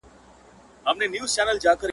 هو په همزولو کي له ټولو څخه پاس يمه,